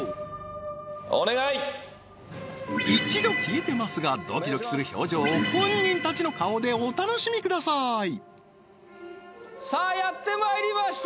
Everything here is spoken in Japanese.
一度消えてますがドキドキする表情を本人たちの顔でお楽しみくださいさあやってまいりました